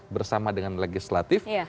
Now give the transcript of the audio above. bersama dengan legislatif